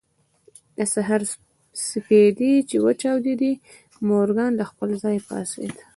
د سهار سپېدې چې وچاودېدې مورګان له خپل ځايه پاڅېد.